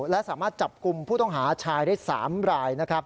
และสามารถจับกลุ่มผู้ต้องหาชายได้๓รายนะครับ